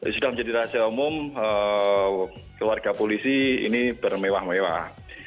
sudah menjadi rahasia umum keluarga polisi ini bermewah mewah